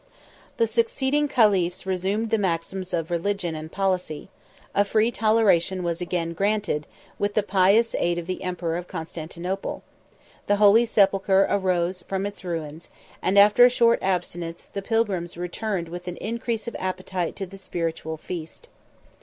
The succeeding caliphs resumed the maxims of religion and policy: a free toleration was again granted; with the pious aid of the emperor of Constantinople, the holy sepulchre arose from its ruins; and, after a short abstinence, the pilgrims returned with an increase of appetite to the spiritual feast.